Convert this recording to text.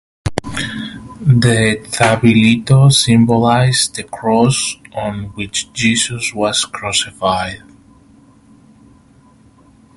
The Thabilitho symbolizes the Cross on which Jesus was crucified.